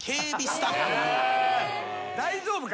大丈夫か？